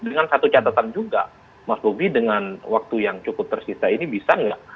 dengan satu catatan juga mas bobi dengan waktu yang cukup tersisa ini bisa nggak